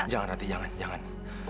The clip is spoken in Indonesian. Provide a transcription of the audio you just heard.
jangan rati jangan